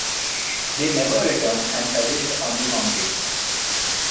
They never returned and perished on the mountain.